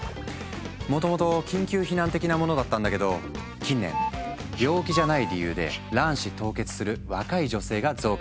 もともと緊急避難的なものだったんだけど近年病気じゃない理由で卵子凍結する若い女性が増加している。